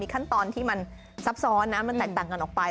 ขั้นตอนที่มันซับซ้อนนะมันแตกต่างกันออกไป